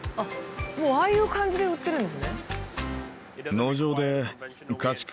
もうああいう感じで売ってるんですね。